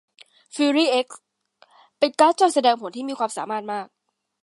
ฟิวรี่เอ็กซ์เป็นการ์ดจอแสดงผลที่มีความสามารถมาก